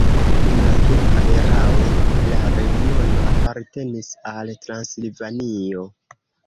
Dum la turka erao la regiono apartenis al Transilvanio.